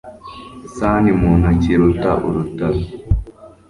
isahani mu ntoki iruta urutaro